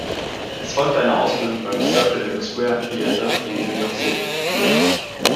Es folgte eine Ausbildung beim Circle in the Square Theatre in New York City.